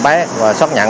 thì tôi tự nhận